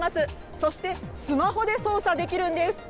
そして、スマホで操作できるんです。